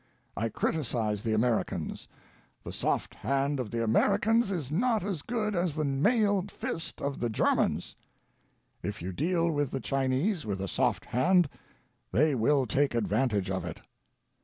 I criticise the Americans. The soft hand of the Americans is not as good as the mailed fist of the Germans. If you deal with the Chinese with a soft hand they will take advantage of it.'